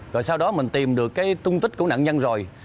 rồi sau đó mình tìm được cái tung tích của nạn nhân rồi